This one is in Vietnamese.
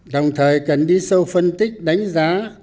đồng thời cần đi sâu phân tích đánh giá